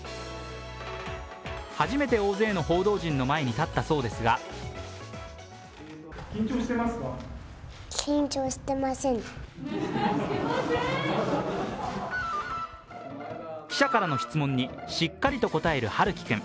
初めて大勢の報道陣の前に立ったそうですが記者からの質問にしっかりと答える陽喜君。